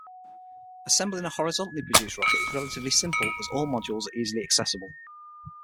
Assembling a horizontally positioned rocket is relatively simple as all modules are easily accessible.